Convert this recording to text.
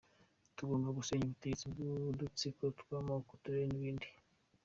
Tugomba gusenya ubutegetsi bw’udutsiko tw’amoko, uturere, n’ibindi.